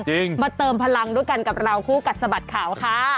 มาเติมพลังด้วยกันกับเราคู่กัดสะบัดข่าวค่ะ